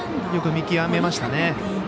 よく見極めましたね。